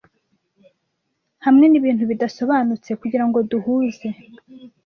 Hamwe nibintu bidasobanutse kugirango duhuze